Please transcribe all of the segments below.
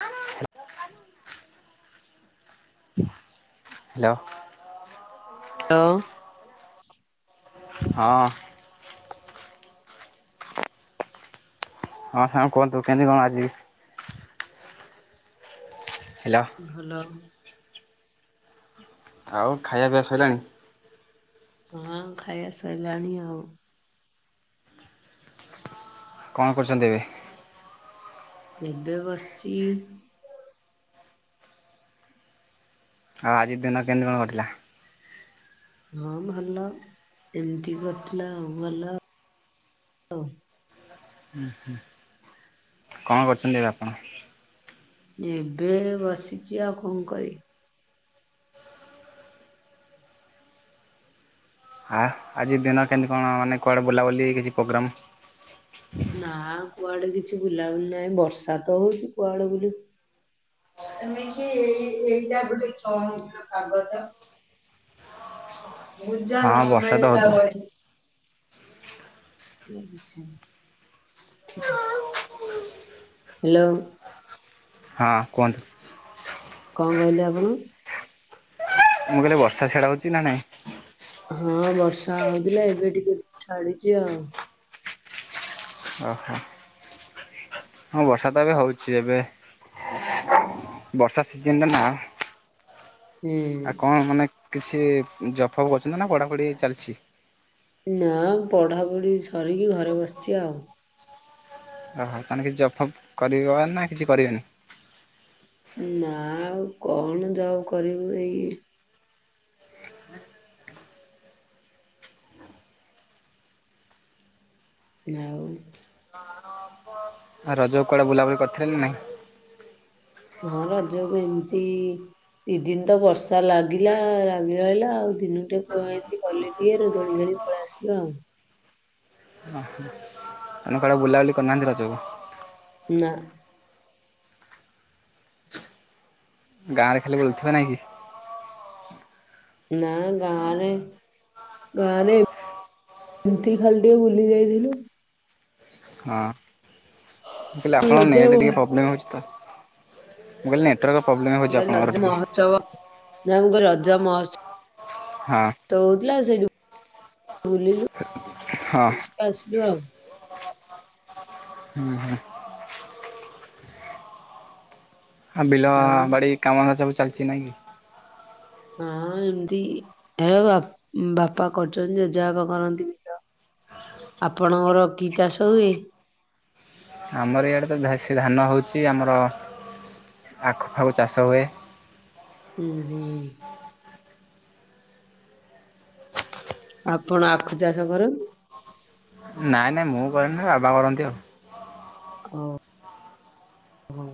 [unintelligible] Hello. Hello. ହଁ। ହଁ ସାଙ୍ଗ କୁହନ୍ତୁ କେମିତି କଣ ଆଜି ହାଲୋ। ଭଲ। ଆଉ ଖାଇବା ପିଆ ସରିଲାଣି। ହଁ ଖାଇବା ସରିଲାଣି ଆଉ। କଣ କରୁଛନ୍ତି ଏବେ। ଏବେ ବସିଛି। ଆଉ ଆଜି ଦିନ କେମିତି କଣ ଘଟିଲା? ହଁ ଭଲ ଏମିତି କରିଥିଲା ଆଉ ଭଲ ଆଉ। ହୁଁ ହୁଁ କଣ କରୁଛନ୍ତି ଏବେ ଆପଣ? ଏବେ ବସିଛି ଆଉ କଣ କରି ଆ ଆଜି ଦିନ କେମିତି କଣ ମାନେ କୁଆଡ଼େ ବୁଲାବୁଲି କିଛି ପ୍ରୋଗ୍ରାମ୍। ନା କୁଆଡେ କିଛି ବୁଲାବୁଲି ନାହିଁ ବର୍ଷା ତ ହଉଛି କୁଆଡେ ବୁଲିବୁ। ତମେ କି ଏଇ ଏଇଟା ଗୋଟେଛଅ ଇଞ୍ଚି ର କାଗଜ। ଗୁଜା ହଁ ନ ବର୍ଷା ତ ମିଳିଲା ହଉଥିଲା ଭଳିଆ। [unintelligible] ହ୍ୟାଲୋ। ହଁ କୁହନ୍ତୁ। କଣ କହିଲେ ଆପଣ। ମୁଁ କହିଲେ ବର୍ଷା ଛଡା ହଉଛି ନା ନାଇଁ। ହଁ ବର୍ଷା ହଉଥିଲା ଏବେ ଟିକେ ଟିକେ ଛାଡିଛି ଆଉ। ଓହୋ ହଁ ବର୍ଷା ତ ଏବେ ହଉଛି ଏବେ। ହୁଁ। ବର୍ଷା ସିଜନଟରେ ନା ହୁଁ। ଆଉ କଣ ମାନେ। କିଛି ଜବ ଫବ କରୁଛନ୍ତି ନା କଡ଼ାକଡ଼ି ଚାଲିଛି। ନା ପଢାପଢି ସରିକି ଘରେ ବସିଛି ଆଉ। ଓହୋ ତାହେଲେ କିଛି ଜଫ କରିବ ନା କିଛି କରିବେନି। ନା ଆଉ କଣ ଯାଉ କରିବୁ ଏଇ। ଆଉ। ରଜ କୁଆଡ଼େ ବୁଲାବୁଲି କରିଥିଲେ ନାହିଁ। ମୁଁ ରଜକୁ ଏମିତି। ଦି ଦିନ ତ ବର୍ଷା ଲାଗିଲା ଲାଗି ରହିଲା ଆଉ ଦିନ ଟିକେ କ ଏମତି ଗଲି ଟିକେ ର ଦୋଳି ଖେଳି ପଳେଇ ଆସିଲୁ ଆଉ। ହ ହ। ଆମେ କୁଆଡ ବୁଲାବୁଲି କରିନାହାନ୍ତି ରଜକୁ। ନା। ଗାଁରେ ଖାଲି ବୁଲୁଥିବେ ନାଇଁ କି। ନା ଗାଁରେ ଗାଁରେ ଏମିତି ଖାଲି ଟିକେ ବୁଲି ଯାଇଥିଲୁ। ହଁ ମୁ କହିଲି ଆପଣଙ୍କ ରଜ ନେଟ ଟିକେ ମହ- ପ୍ରୋବ୍ଲେମ୍ ହେଉଛି ତ ମୁଁ କହିଲି ନେଟ ହଟର ପ୍ରୋବଲେମ୍ ହେଉଛି ଆଣଙ୍କର ଟିକେ [unintelligible] ଯାହା ଆମକୁ ରଜ ମହ ସ ହଁ। ତହୁଥିଲା ସେଇଠୁ ବୁଲିଲୁ। ହଁ ଆସିଲୁ ଆଉ। ହୁଁ ହୁଁ। ହଁ ବିଲ ଆଉ ବାଡ଼ି କାମଧନ୍ଧା ସବୁ ଚାଲିଚି ନାଇଁ କି। ହଁ ଏମିତି ହେ ବାପା କରୁଚନ୍ତି ଜେଜାପା କରନ୍ତି ବିଲ। ଆପଣଙ୍କର କି ଚାଷ ହୁଏ। ଆମର ଏଇଆଡ଼ ତ ଧେସି ଧାନ ହେଉଛି ଆମର ଆଖୁପାଖ ଚାଷ ହୁଏ। ହୁଁ ହୁଁ। ଆପଣ ଆଖୁ ଚାଷ କରନ୍ତି। ନାଇଁ ନାଇଁ ମୁଁ କରେନି ବାବା କରନ୍ତି ଆଉ। ଓ ହଁ।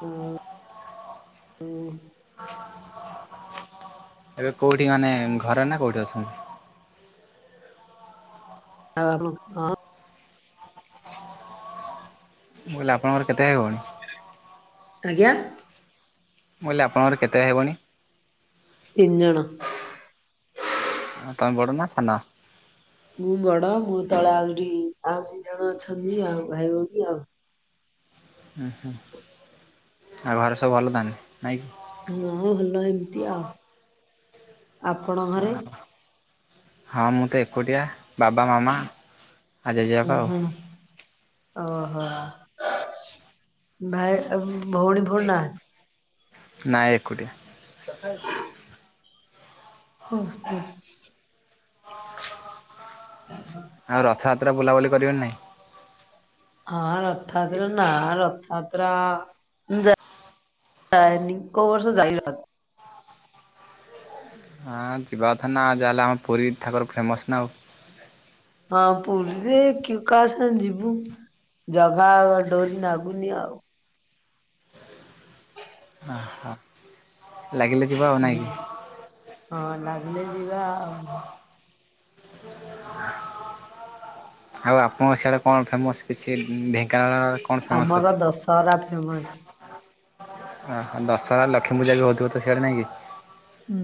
ହଁ ହଁ। [unintelligible] ଏବେ କୋଉଠି ମାନେ ଘରେ ନା କୋଉଠି ଅଛନ୍ତି। ଆ ହଁ। ମୁଁ କହିଲି ଆଣଙ୍କର କେତେ ଭାଇ ଭଉଣି। ଆଜ୍ଞା। ମୁଁ କହିଲି ଆପଣର କେତେ ଭାଇ ଭଉଣୀ। ତିନିଜଣ। ହଁ ତମେ ବଡ଼ ନା ସାନ। ମୁଁ ବଡ ମୁଁ ତଳେ ଆହୁରି ଆଉ ଦୁି ଜଣ ଅଛନ୍ତି ଆଉ ଭାଇ ଭଉଣୀ ଆଉ। ହୁ ହୁଁ ଆଉ ଘରେ ସବୁ ଭଲ ତାହେଲେ ନାଇଁ। ହଁ ଭଲ ଏମିତି ଆଉ। ଆପଣ ଘରେ? ହଁ ମୁଁ ତ ଏକୁଟିଆ। ବାବା ମାମା ହଁ ଜେଜେବାପା ଆଉ। ହଁ ଓହୋ ଭାଇ ଭଉଣୀ ଫଉଣୀ ନାହାନ୍ତି। ନାଇଁ ଏକୁଟିଆ। ତଥାପି। ଓ ହୋ। ଆଉ ରଥଯାତ୍ରା ବୁଲାବୁଲି କରିବନା ନାଇଁ। ହଁ ରଥଯାତ୍ରା ନା ରଥଯାତ୍ରା ମୁଁ ଜା ଇ ନି କୋଉ ବର୍ଷ ଯାଇ [unintelligible] ହଁ ଯିବା କଥା ନା ଯାହାହେଲେ ଆମ ପୁରୀ ଠାକୁର ଫେମସ୍ ନା ଆଉ। ହଁ ପୁରୀ ଯେ କାହା ସାଙ୍ଗେ ଜିବୁ। ଜଗା ଡୋରି ନାଗୁନି ଆଉ। ଅହ ଲାଗିଲେ ଯିବା ଆଉ ନାଇଁ କି? ହଁ ଲାଗିଲେ ଯିବା ଆଉ। ଆଉ ଆପଣଙ୍କ ସିଆଡେ କଣ ଫେମସ। ସେ ଢେଙ୍କାନାଳ କଣ ଫେମସ ଆମର ଅଛି। ଦଶହରା ଫେମସ୍। ଓ ଦଶହରା ଲକ୍ଷ୍ମୀ ପୂଜା ବି ହଉଥିବ ତ ସେଆଡେ ନାଇଁ କି। ହୁଁ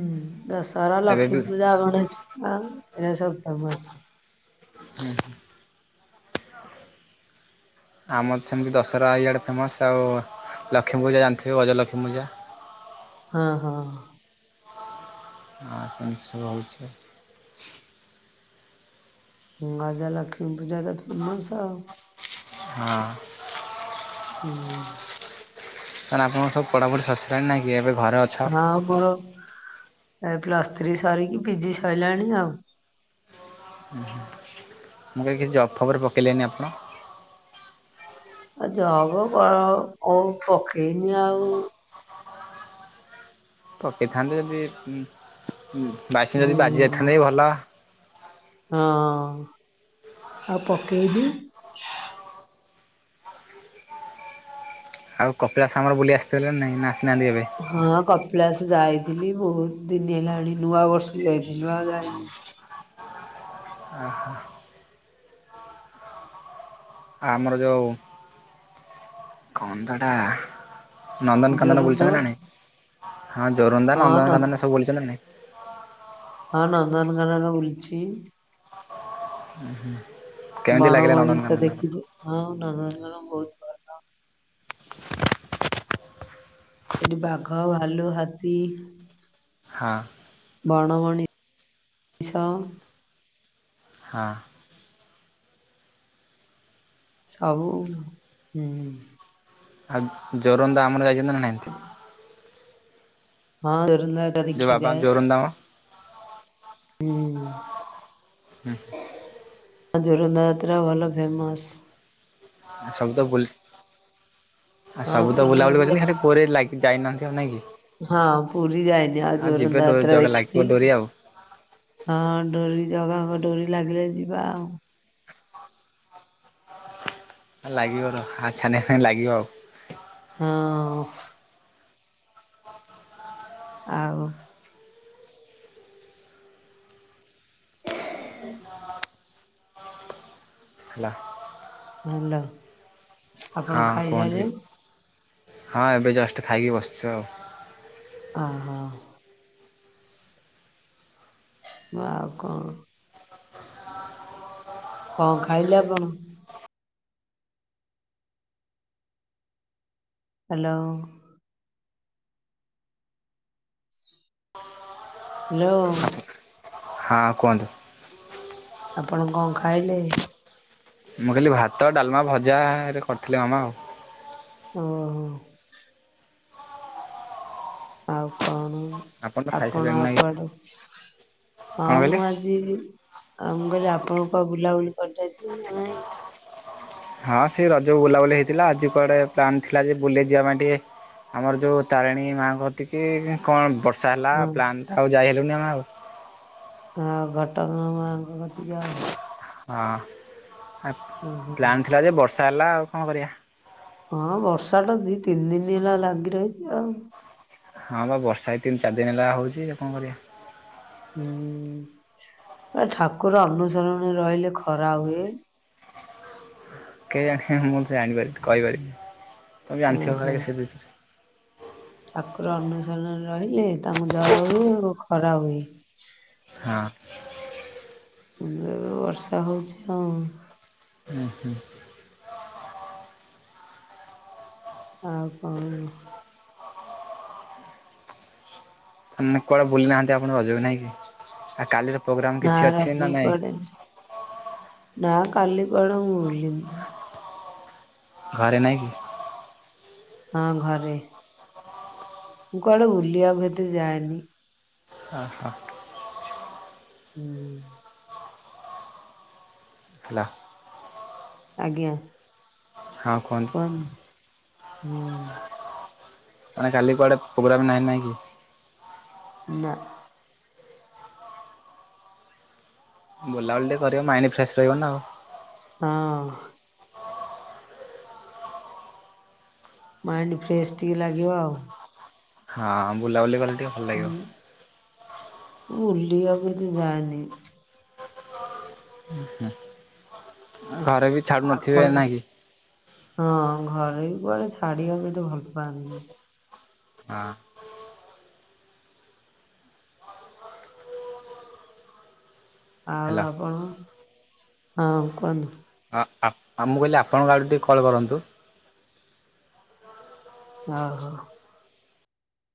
ଦଶହରା ଏବେ ବି ଲକ୍ଷ୍ମୀ ହୁଁ ପୂଜା ଗଣେଶ ପୂଜା ଏଇରା ସବୁ ଫେମସ। ହୁଁ ହୁଁ। ଆମର ସେମିତି ଦଶହରା ଇଆଡେ ଫେମସ ଆଉ ଲକ୍ଷ୍ମୀ ପୂଜା ଜାଣିଥିବ ଗଜଲକ୍ଷ୍ମୀ ପୂଜା। ହଁ ହଁ। ସେମିତି ସବୁ ହଉଚି ଆଉ। ଗଜ ଲକ୍ଷ୍ମୀ ପୂଜା ତ ଫେମସ ଆଉ। ହଁ। ହୁଁ। ସାର୍ ଆପଣଙ୍କ ସବୁ ପଢ଼ା ପଢ଼ି ସରସା ନାହିଁ କି ଏବେ ଘରେ ଅ ହଁ ବ୍ରୋ ଏ ପ୍ଲସ୍ ଥ୍ରୀ ସରିକି ପିଜି ସଇଲାଣି ଆଉ ମୁଁ କହିଲି କି ଜବ୍ ଫବ୍ ରେ ପକେଇଲେନି ଆପଣ। ଜବ୍ କଣ ହ କୋଉ ପକେଇନି ଆଉ ପକେଇଥାନ୍ତେ ଯଦି ଉଁ ଉଁ [unintelligible] ଯଦି ବାଜି ହୁଁ। ଯାଇଥାନ୍ତା ବି ଭଲ। ହଁ ଆଉ ପକେଇବି। ଆଉ କପିଳାସ ଆମର ବୁଲି ଆସିଥିଲେ ନା ନାଇଁ ନା ଆସିନାହାନ୍ତି ଏବେ? ହଁ କପିଳାସ ଯାଇଥିଲି ବହୁତ ଦିନ ହେଲାଣି ନୂଆ ବର୍ଷକୁ ଯାଇଥିଲି ବା ଆଉ ଯାଇନି। ଓ ହୋ ଆମର ଯୋଉ କଣ ତ ହେଟା ନନ୍ଦନକାନନ ବୁଲି ଜୋରନ୍ଦର ଚନ୍ତି ନା ନାହିଁ ଜୋରନ୍ଦା ହଁ ନ ନନ୍ଦନକାନନ ଏ ସବୁ ବୁଲିଛନ୍ତି ନା ନାଇଁ ହଁ ନନ୍ଦନକାନନ ବୁଲିଚି। କେମିତି ବଣ ଲାଗିଲା ମଣିଷ ନନ୍ଦନକାନନ [inaudible] ସେଠି ବାଘ ଭାଲୁ ହାତୀ ହଁ ବଣମଣି ଛ ହଁ ସବୁ ଆଉ ଜୋରନ୍ଦା ଆମର ଯାଇଛନ୍ତି ନା ନାଇଁ ହଁ ଜୋରନ୍ଦା ଯାତ୍ରା ଯୋଉ ଦେଖିବାକୁ ବାବା ଯାଏ ଜୋରନ୍ଦା ମ ହୁଁ [unintelligible] ଜୋରନ୍ଦା ଯାତ୍ରା ଭଲ ଫେମସ୍। ସବୁ ତ ବୁଲି ଆ ହଁ ସବୁ ତ ବୁଲିବାକୁ ବୁଲାବୁଲି କରିଚନ୍ତି ଯାଏ ଖାଲି ପୁରୀ ଲାଗ ଯାଇନାହାନ୍ତି ଆଉ ନାଇଁ କି? ହଁ ପୁରୀ ଯାଇନି ଆଉ ଯିବେ ଯୋରନ୍ଦା ଡୋରି ଯାତ୍ରା ଜଗା ଲାଗିବ ଦେଖିଛି। ଡୋରି ଆଉ ହଁ ଡୋରି ଜଗାଙ୍କ ଡୋରି ଲାଗିଲେ ଯିବା ଆଉ। ଲାଗିବ ଡୋରି ଛାନିଆ କାହିଁକି ଲାଗିବ ଆଉ ହଁ ଆଉ [inaudible] ହେଲା ହାଲୋ ଆପଣ ହଁ କୁହନ୍ତୁ ଖାଇସାରିଲେଣି? [unintelligible] ହଁ ଏବେ ଜଷ୍ଟ ଖାଇକି ବସିଛୁ ଆଉ। ଓ ହୋ ଆଉ କଣ କଣ ଖାଇଲେ ଆପଣ? ହ୍ୟାଲୋ ହ୍ୟାଲୋ ହଁ କୁହନ୍ତୁ। ଆପଣ କଣ ଖାଇଲେ? ମୁଁ ଖାଇଲି ଭାତ ଡାଲମା ଭଜା ଏବେ କରିଥିଲେ ମାମା ଆଉ। ଓହୋ ଆଉ କଣ ତ ଆପଣ ଖାଇସାରିଲେଣି ଆଉ ନାଇଁ କି? କୁଆଡେ? ହଁ କଣ କହିଲେ? ମୁଁ ଆଜି [unintelligible] ଆଉ ମୁଁ କହିଲି ଆପଣଙ୍କ ବୁଲାବୁଲି [unintelligible] ନା ନାଇଁ? ହଁ ସେ ରଜ କୁ ବୁଲାବୁଲି ହେଇଥିଲା ଆଜି କୁଆଡେ ପ୍ଲାନ୍ ଥିଲା ଯେ ବୁଲେଇ ଯିବା ପାଇଁ ଟିକେ ଆମର ଯୋଉ ତାରିଣୀ ମାଙ୍କ କତିକି କଣ ବର୍ଷା ହେଲା ହଁ ପ୍ଲାନ୍ ଆଉ ଯାଇ ହେଲୁନି ଆମେ ଆଉ ଆଉ ଘଟଗାଁ ମା ଙ୍କ କତିକି ଆଉ ହଁ ଓହୋ। ପ୍ଲାନ୍ ଥିଲା ଯେ ବର୍ଷା ହେଲା ଆଉ କଣ କରିବା। ହଁ ବର୍ଷା ଟା ଦି ତିନି ଦିନ ହେଲା ଲାଗି ରହିଛି ଆଉ। ହଁ ବା ବର୍ଷା ଏଇ ତିନି ଚାରି ଦିନ ହେଲା ହଉଛି, କଣ କରିବା? ହୁଁ, ପା ଠାକୁର ଅନୁସରଣରେ ରହିଲେ ଖରା ହୁଏ। କେହିଜାଣି ମୁଁ ଜାଣିପାରି କହିପାରିବିନି ତମେ ଉଁ ଜାଣିଥିବ ହୁଁ କାଳେ ସେ ବି [unintelligible] ଠାକୁର ଅନୁସରଣରେ ରହିଲେ ତାଙ୍କୁ ଜର ହୁଏ ଆଉ ଖରା ହୁଏ। ହଁ। ଏବେ ଯୋଉ ବର୍ଷା ହଉଛି ହଁ। ଉଁ ହୁଁ ଆଉ କଣ? ମାନେ କୁଆଡେ ବୁଲି ନାହାନ୍ତି ଆପଣ ରଜକୁ ନାଇଁ କି ଆଉ କାଲି ନା ରଜ କୁ କୁଆଡେ, ନା କାଲି କୁଆଡେ ମୁଁ ବୁଲିନି। ଘରେ ନାହିଁ କି? ହଁ ଘରେ। ମୁଁ କୁଆଡେ ବୁଲିବାକୁ ଏତେ ଯାଏନି। ଆ ହ ଉଁ ହେଲା ଆଜ୍ଞା। ହଁ କୁହନ୍ତୁ। [unintelligible] ହୁଁ। ମାନେ କାଲି କୁଆଡେ ପୋଗ୍ରାମ ନାଇଁ, ନାହିଁ କି? ନା। ବୁଲାବୁଲି ଟିକେ କରିବ, ମାଇଣ୍ଡ ଫ୍ରେଶ୍ ରହିବ ନା ଆଉ। ହଁ। ମାଇଣ୍ଡ ଫ୍ରେଶ ଟିକେ ଲାଗିବ ଆଉ। ହଁ ବୁଲାବୁଲି କଲେ ଟିକେ ଭଲ ଲାଗିବ ହୁଁ ବୁଲିିବାକୁ ଏତେ ଯାଏନି। ହୁଁ ଘରେ ବି ଛାଡ଼ୁନଥିବେ ଆପଣ, ନା କି ହଁ ଘରେ ବି କୁଆଡେ ଛାଡିବାକୁ ଏତେ ଭଲ ପାଆନ୍ତିନି। ହଁ। ଆଉ ହେଲା ଆପଣ, ହଁ କୁହନ୍ତୁ। ହଁ ମୁଁ କହିଲି ଆପଣଙ୍କ ଆଡୁ ଟିକେ କଲ୍ କରନ୍ତୁ। ଓ ହୋ